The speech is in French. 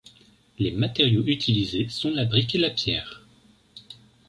Les matériaux utilisés sont la brique et la pierre.